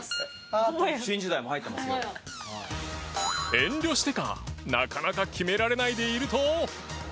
遠慮してか、なかなか決められないでいると。